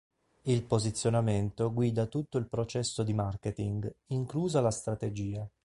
Il posizionamento guida tutto il processo di marketing, inclusa la strategia.